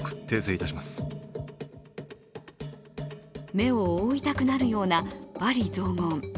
目を覆いたくなるような罵詈雑言。